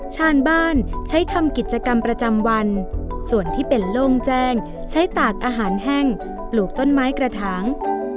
ชาวบ้านใช้ทำกิจกรรมประจำวันส่วนที่เป็นโล่งแจ้งใช้ตากอาหารแห้งปลูกต้นไม้กระถาง